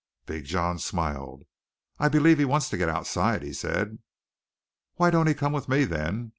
Big John smiled. "I believe he wants to get outside," he said. "Why don't he come with me, then?